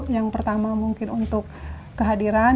yang pertama mungkin untuk kehadiran